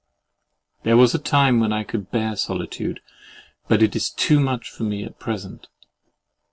There was a time when I could bear solitude; but it is too much for me at present.